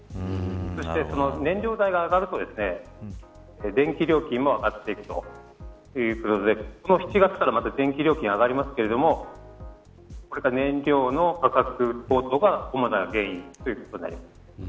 そして燃料代が上がると電気料金も上がっていくということでこの７月からまた電気料金上がりますけれどもこれは燃料の価格高騰が主な原因ということになります。